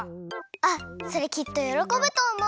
あっそれきっとよろこぶとおもう！